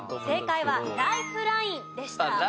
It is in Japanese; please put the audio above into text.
正解はライフラインでした。